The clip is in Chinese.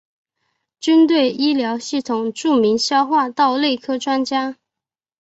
军队医疗系统著名消化道内科专家。